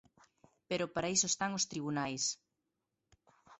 Pero para iso están os tribunais.